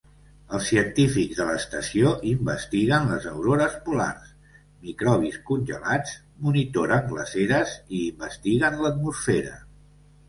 Els científics de l'estació investiguen les aurores polars, microbis congelats, monitoren glaceres i investiguen l'atmosfera.